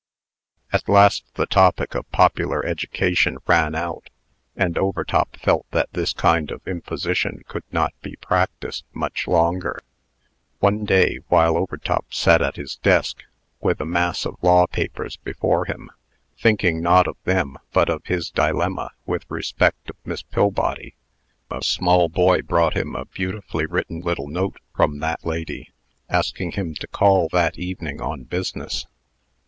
At last the topic of Popular Education ran out; and Overtop felt that this kind of imposition could not be practised much longer. One day, while Overtop sat at his desk, with a mass of law papers before him, thinking not of them but of his dilemma with respect of Miss Pillbody, a small boy brought him a beautifully written little note from that lady, asking him to call that evening on business.